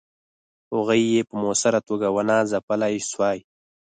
هغوی یې په موثره توګه ونه ځپلای سوای.